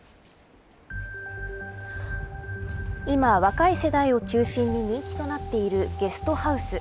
今、若い世代を中心に人気となっているゲストハウス。